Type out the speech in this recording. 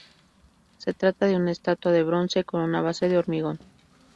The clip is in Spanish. Se trata de una estatua de bronce con una base de hormigón.